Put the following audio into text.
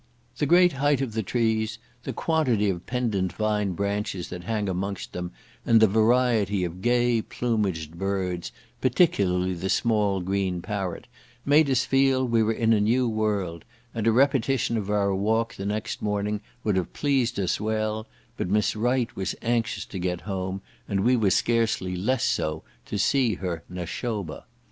The great height of the trees, the quantity of pendant vine branches that hang amongst them; and the variety of gay plumaged birds, particularly the small green parrot, made us feel we were in a new world; and a repetition of our walk the next morning would have pleased us well, but Miss Wright was anxious to get home, and we were scarcely less so to see her Nashoba.